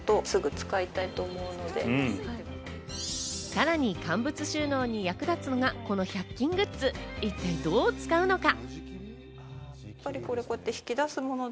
さらに乾物収納に役立つのがこの１００均グッズ、一体どう使うのか？